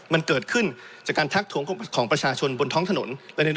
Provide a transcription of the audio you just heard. มันเกิดขึ้นจากการทักทวงของประชาชนบนท้องถนน